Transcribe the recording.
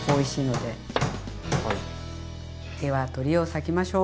では鶏を裂きましょう。